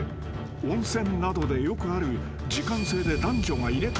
［温泉などでよくある時間制で男女が入れ替わるシステム］